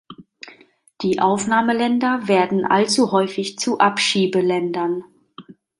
Die Aufnahmeländer werden allzu häufig zu Abschiebeländern.